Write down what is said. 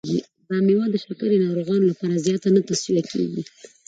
دا مېوه د شکرې ناروغانو لپاره زیاته نه توصیه کېږي.